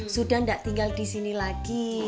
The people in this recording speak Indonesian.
sudah tidak tinggal di sini lagi